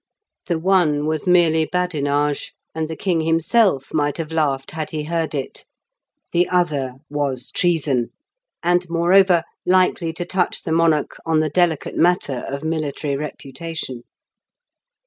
The one was merely badinage, and the king himself might have laughed had he heard it; the other was treason, and, moreover, likely to touch the monarch on the delicate matter of military reputation.